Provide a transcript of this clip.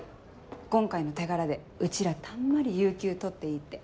今回の手柄でうちらたんまり有休取っていいって。